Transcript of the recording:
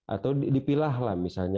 atau dipilah lah misalnya